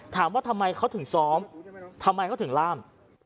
ถามว่าทำไมเขาถึงซ้อมทำไมเขาถึงล่าม